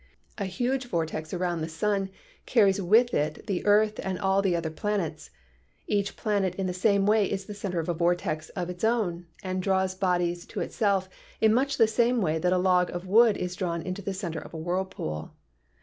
A huge vortex round 26 PHYSICS the sun carries with it the earth and all the other planets. Each planet in the same way is the center of a vortex of its own and draws bodies to itself in much the same way that a log of wood is drawn into the center of a whirlpool.